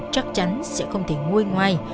chắc chắn sẽ không thể nguôi ngoài